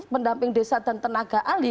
pendamping desa dan tenaga ahli